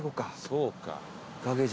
そうか。